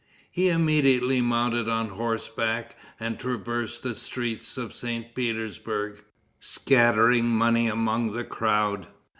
He immediately mounted on horseback and traversed the streets of St. Petersburg, scattering money among the crowd.